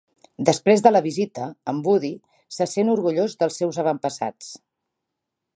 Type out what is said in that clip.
Després de la visita, en Woody se sent orgullós dels seus avantpassats.